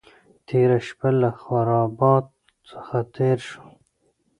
تېره شپه له خرابات څخه تېر شوم.